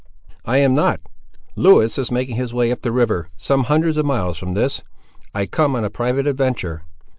"I am not. Lewis is making his way up the river, some hundreds of miles from this. I come on a private adventure."